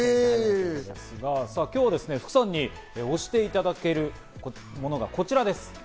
今日は福さんに推していただけるものがこちらです。